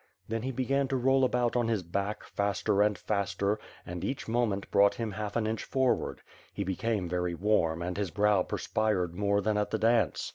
Then he began to roll alwut on his back, faster and faster, and, each movement brought him half an inch forward. He became very warm and his brow perspired more than at the dance.